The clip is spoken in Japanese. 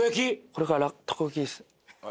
これからたこ焼きです